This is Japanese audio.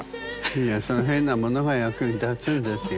いやその変なものが役に立つんですよ。